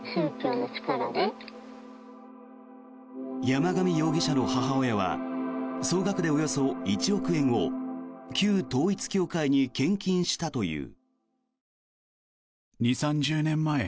山上容疑者の母親は総額でおよそ１億円を旧統一教会に献金したという。